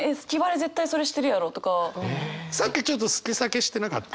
さっきちょっと好き避けしてなかった？